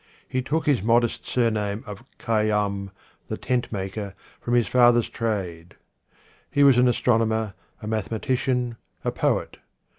He took his modest surname of Khayyam, the Tentmaker, from his father's trade. He was an astronomer, a mathematician, a poet.